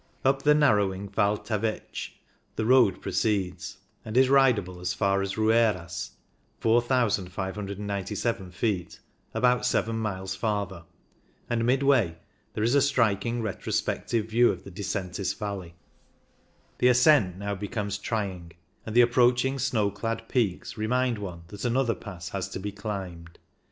Up the narrowing Val Tavetsch the road proceeds, and is ridable as far as Rueras (4,597 ft), about seven miles farther ; and midway there is a striking retrospective view of the Disentis valley. The ascent now becomes trying, and the approaching snow clad peaks remind one that another pass has to be climbed.